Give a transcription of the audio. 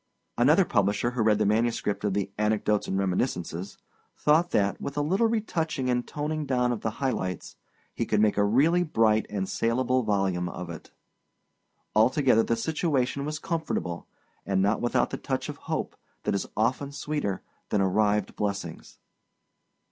Another publisher who read the manuscript of the Anecdotes and Reminiscences thought that, with a little retouching and toning down of the high lights, he could make a really bright and salable volume of it. Altogether, the situation was comfortable, and not without the touch of hope that is often sweeter than arrived blessings.